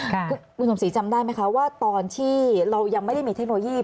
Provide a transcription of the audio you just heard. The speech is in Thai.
คุณสมศรีจำได้ไหมคะว่าตอนที่เรายังไม่ได้มีเทคโนโลยี